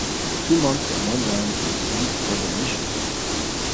Two monks and one nun received ordination.